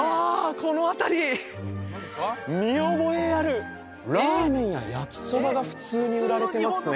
この辺り見覚えあるラーメンや焼きそばが普通に売られてますね